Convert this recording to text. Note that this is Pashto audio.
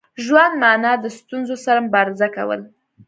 ژوند مانا د ستونزو سره مبارزه کول.